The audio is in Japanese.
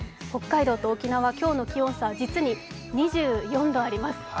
北海道と沖縄、今日の気温差、実に２４度あります。